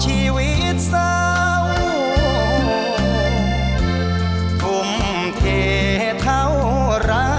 ช่วยฝังดินหรือกว่า